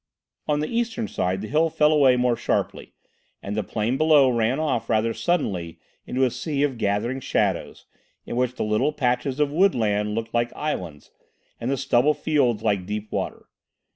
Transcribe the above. On the eastern side the hill fell away more sharply, and the plain below ran off rather suddenly into a sea of gathering shadows in which the little patches of woodland looked like islands and the stubble fields like deep water.